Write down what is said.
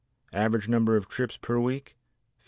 Average number of trips per week, 52.